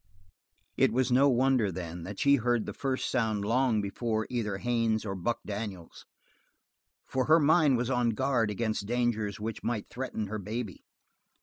It was no wonder, then, that she heard the first sound long before either Haines or Buck Daniels, for her mind was on guard against dangers which might threaten her baby.